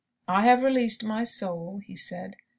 "I have released my soul," he said.